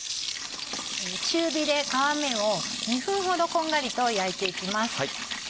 中火で皮面を２分ほどこんがりと焼いていきます。